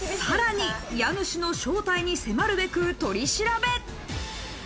さらに家主の正体に迫るべく、取り調べ。